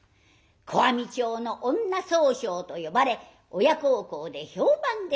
小網町の女宗匠と呼ばれ親孝行で評判でございます。